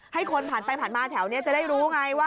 ให้คนผ่านไปผ่านมาแถวนี้จะได้รู้ไงว่า